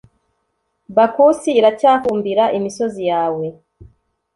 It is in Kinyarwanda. bakusi iracyafumbira imisozi yawe